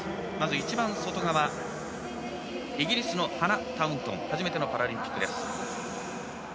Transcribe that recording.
一番外側はイギリスのハナ・タウントン初めてのパラリンピック。